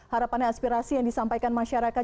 harapannya aspirasi yang disampaikan masyarakat